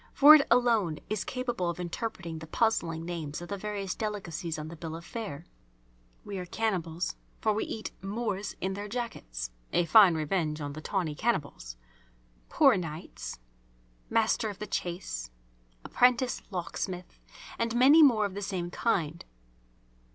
For it alone is capable of interpreting the puzzling names of the various delicacies on the bill of fare. We are cannibals, for we eat "Moors in their 'Jackets'" (a fine revenge on the tawny cannibals!) "poor knights," "master of the chase," "apprentice locksmith," and many more of the same kind.